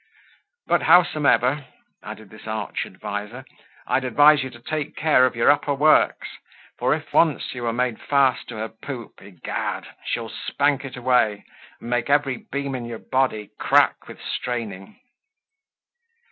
"But howsomever," added this arch adviser, "I'd have you take care of your upper works; for if once you are made fast to her poop, egad! She'll spank it away, and make every beam in your body crack with straining."